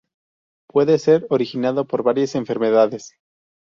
Puede ser originado por varias enfermedades.